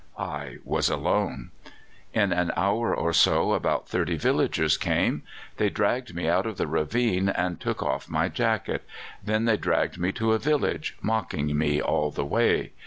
I was alone. In an hour or so about thirty villagers came. They dragged me out of the ravine and took off my jacket; then they dragged me to a village, mocking me all the way.